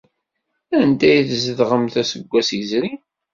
Anda ay tzedɣemt aseggas yezrin?